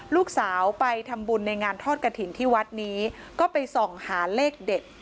ลูกสาวไปทำบุญในงานทอดกระถิ่นที่วัดนี้ก็ไปส่องหาเลขเด็ด